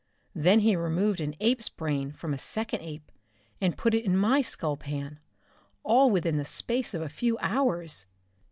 Then he removed an ape's brain from a second ape and put it in my skull pan all within the space of a few hours!